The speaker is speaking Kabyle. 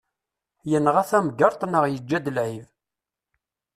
Yenɣa timgreḍt neɣ yeǧǧa-d lɛib.